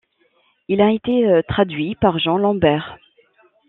Il a été traduit par Jean Lambert.